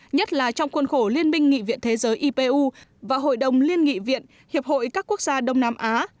nhất là trong khuôn khổ liên minh nghị viện thế giới ipu và hội đồng liên nghị viện hiệp hội các quốc gia đông nam á